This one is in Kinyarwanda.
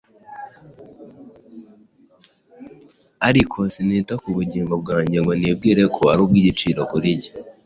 Ariko sinita ku bugingo bwanjye, ngo nibwire ko ari ubw’igiciro kuri jye,